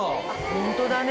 ホントだね。